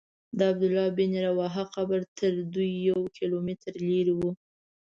د عبدالله بن رواحه قبر تر دوی یو کیلومتر لرې و.